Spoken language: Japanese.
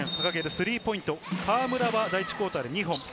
スリーポイント、河村は第１クオーターで２本。